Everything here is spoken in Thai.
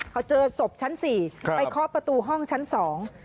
เขาเจอศพชั้นสี่ครับไปเคาะประตูห้องชั้นสอง